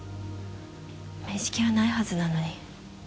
面識はないはずなのに。